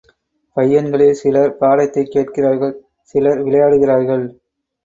பையன்களில் சிலர் பாடத்தைக் கேட்கிறார்கள், சிலர் விளையாடுகிறார்கள்.